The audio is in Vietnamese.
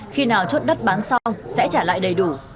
khi nào chốt đất bán xong sẽ trả lại đầy đủ